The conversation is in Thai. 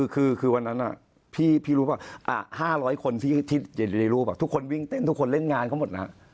คือวันนั้นพี่รู้ป่ะ๕๐๐คนที่อยู่ในรูปทุกคนวิ่งเต้นทุกคนเล่นงานเขาหมดแล้ว